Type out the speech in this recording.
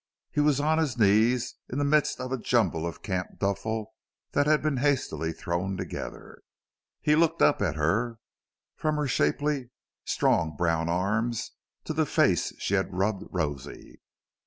He was on his knees in the midst of a jumble of camp duffle that had been hastily thrown together. He looked up at her from her shapely, strong, brown arms to the face she had rubbed rosy.